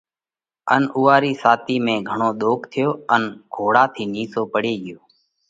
ان اُوئا رِي ساتِي ۾ گھڻو ۮوک ٿيو ان گھوڙا ٿِي نِيسو پڙي ڳيو